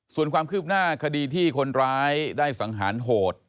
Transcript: ส่วนความคืบหน้าคดีที่คนร้ายได้สังหารโหด